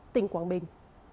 tỉnh quảng bình